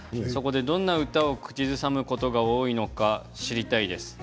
どんな歌を口ずさむことが多いのか知りたいです。